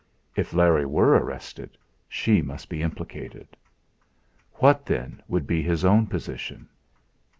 If Larry were arrested, she must be implicated. What, then, would be his own position?